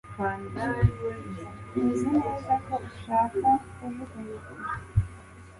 Uzi neza ko ushaka kujugunya kure.